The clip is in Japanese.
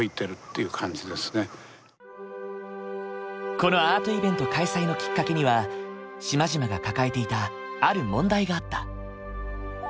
このアートイベント開催のきっかけには島々が抱えていたある問題があった。